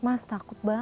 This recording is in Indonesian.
mas takut banget